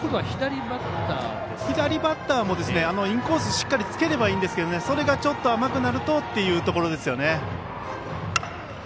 左バッターもインコースにしっかり突ければいいですがそれがちょっと甘くなるとというところですね。